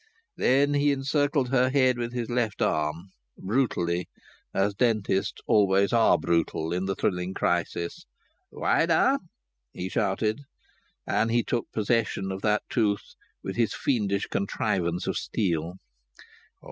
Then he encircled her head with his left arm brutally, as dentists always are brutal in the thrilling crisis. "Wider!" he shouted. And he took possession of that tooth with his fiendish contrivance of steel.